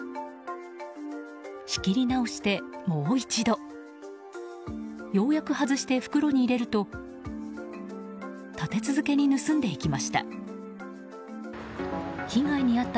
仕切り直して、もう一度。ようやく外して袋に入れると立て続けに盗んでいきました。